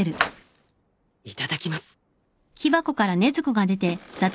いただきます。